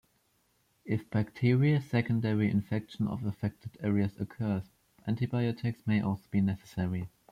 If bacterial secondary infection of affected areas occurs, antibiotics may also be necessary.